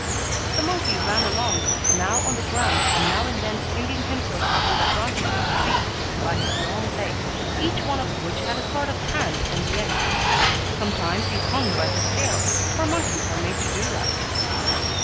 The monkey ran along, now on the ground, and now and then swinging himself up in the branches of trees, by his long legs, each one of which had a sort of hand on the end. Sometimes he hung by his tail, for monkeys are made to do that.